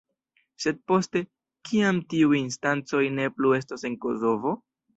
Sed poste, kiam tiuj instancoj ne plu estos en Kosovo?